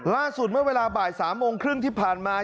เมื่อเวลาบ่าย๓โมงครึ่งที่ผ่านมา